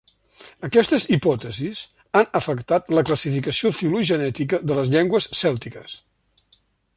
Aquestes hipòtesis han afectat la classificació filogenètica de les llengües cèltiques.